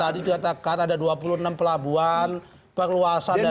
tadi dikatakan ada dua puluh enam pelabuhan perluasan